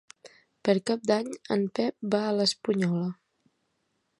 Per Cap d'Any en Pep va a l'Espunyola.